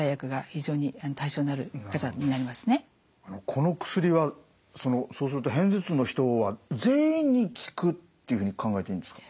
この薬はそうすると片頭痛の人は全員に効くっていうふうに考えていいんですか？